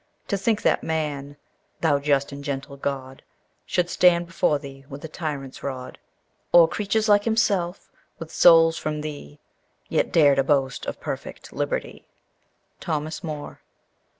To think that man, thou just and gentle God! Should stand before thee with a tyrant's rod, O'er creatures like himself, with souls from thee, Yet dare to boast of perfect liberty!" Thomas Moore.